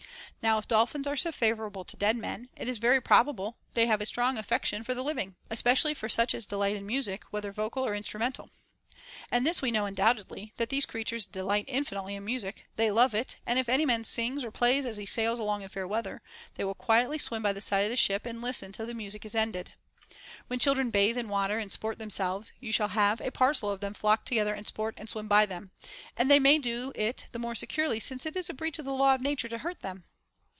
Now if dolphins are so favorable to dead men, it is very proba ble they have a strong affection for the living, especially for such as delight in music, whether vocal or instrumental. And this we know undoubtedly, that these creatures de light infinitely in music ; they love it, and if any man sings or plays as he sails along in fair weather, they will quietly swim by the side of the ship, and listen till the 38 THE BANQUET OF THE SEVEN WISE MEN. music is ended. When children bathe in the water and sport themselves, you shall have a parcel of them flock together and sport and swim by them ; and they may do it the more securely, since it is a breach of the law of Nature to hurt them.